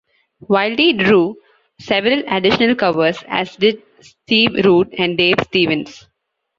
Wildey drew several additional covers, as did Steve Rude and Dave Stevens.